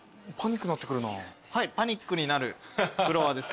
はいパニックになるフロアです